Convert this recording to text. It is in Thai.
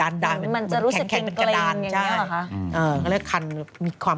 มันจะรู้สึกเป็นเกรงอย่างนี้หรอคะ